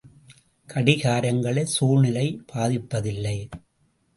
கடிகாரங்களைச் சூழ்நிலை பாதிப்பதில்லை.